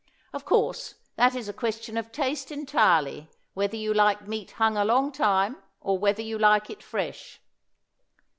Of course that is a question of taste entirely, whether you like meat hung a long time or whether you like it fresh.